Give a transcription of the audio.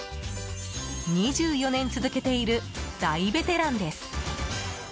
２４年続けている大ベテランです。